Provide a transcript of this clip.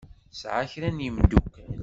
Tesɛa kra n yemdukal.